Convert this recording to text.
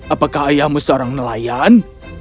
apakah ayahmu seorang nelayan